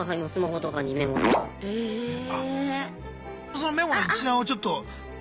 そのメモの一覧をちょっと。